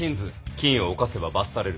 禁を犯せば罰される。